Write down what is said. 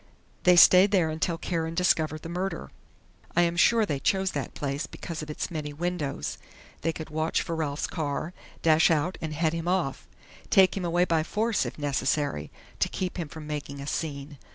They stayed there until Karen discovered the murder. I am sure they chose that place because of its many windows they could watch for Ralph's car, dash out and head him off. Take him away by force, if necessary, to keep him from making a scene.